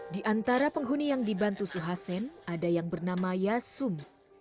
di antara penghuni yang dibantu suhasen ada yang bernama yasum